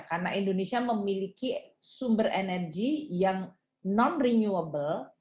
karena indonesia memiliki sumber energi yang non renewable